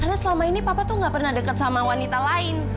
karena selama ini papa tuh gak pernah deket sama wanita lain